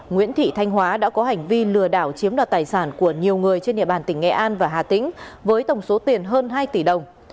nguyễn thị thanh hóa đã có hành vi lừa đảo chiếm đoạt tài sản của nhiều người trên địa bàn tỉnh nghệ an và hà tĩnh với tổng số tiền hơn hai tỷ đồng